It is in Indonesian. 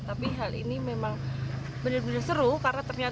tapi hal ini memang benar benar seru karena ternyata